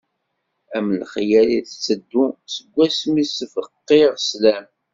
Am lexyal i tetteddu seg asmi s-tbeqqiḍ sslam.